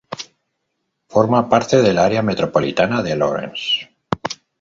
Forma parte del área metropolitana de Lawrence.